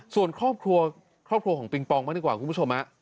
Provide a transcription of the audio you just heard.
ส่วนครอบครัวครอบครัวของปิงปองบ้างดีกว่าคุณผู้ชม